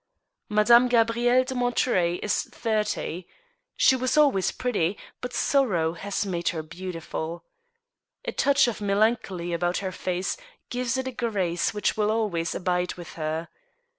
Madame Gabrielle de Monterey is thirty. She was always pretty, but sorrow has made her beautiful. A touch of melancholy about her face gives it a grace which 38 THE STEEL HAMMER. will alwa)rs abide with her.